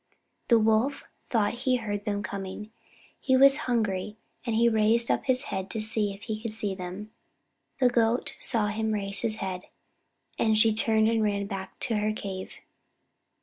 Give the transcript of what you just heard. The Wolf thought he heard them coming. He was hungry and he raised up his head to see if he could see them The Goat saw him raise his head, and she turned and ran back to her cave.